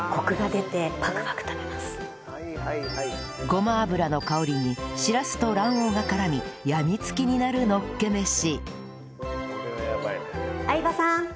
ごま油の香りにしらすと卵黄が絡み病みつきになるのっけ飯